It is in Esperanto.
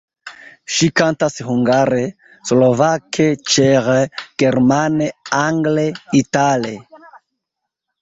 Ŝi kantas hungare, slovake, ĉeĥe, germane, angle, itale.